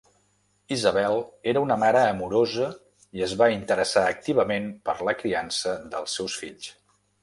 Isabel era una mare amorosa i es va interessar activament per la criança dels seus fills.